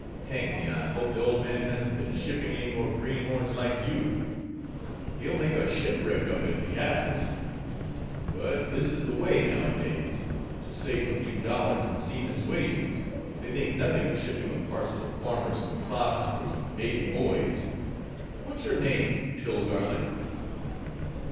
Hang me, I hope the old man hasn't been shipping any more greenhorns like you—he'll make a shipwreck of it if he has. But this is the way nowadays; to save a few dollars in seamen's wages, they think nothing of shipping a parcel of farmers and clodhoppers and baby boys. What's your name, Pillgarlic?"